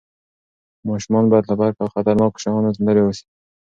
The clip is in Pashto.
ماشومان باید له برق او خطرناکو شیانو لرې وي.